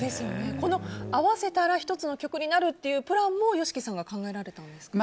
合わせたら１つの曲になるというプランもＹＯＳＨＩＫＩさんが考えられたんですか？